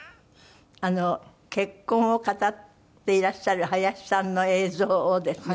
あの結婚を語っていらっしゃる林さんの映像をですね